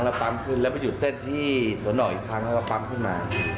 แล้วหมอเขาเขียวว่าทิศหมดอะไรนะ